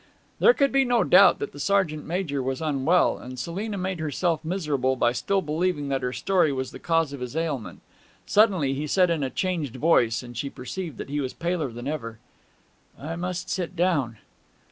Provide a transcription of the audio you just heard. There could be no doubt that the sergeant major was unwell, and Selina made herself miserable by still believing that her story was the cause of his ailment. Suddenly he said in a changed voice, and she perceived that he was paler than ever: 'I must sit down.'